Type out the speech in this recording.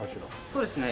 そうですね。